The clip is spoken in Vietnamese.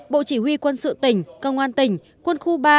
bộ chỉ huy quân sự tỉnh công an tỉnh quân khu ba